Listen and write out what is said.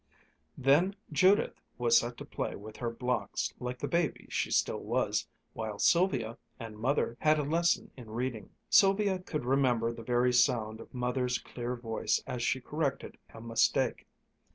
Then Judith was set to play with her blocks like the baby she still was, while Sylvia and Mother had a lesson in reading. Sylvia could remember the very sound of Mother's clear voice as she corrected a mistake.